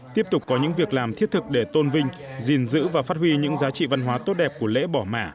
tiếp tục có những việc làm thiết thực để tôn vinh gìn giữ và phát huy những giá trị văn hóa tốt đẹp của lễ bỏ mả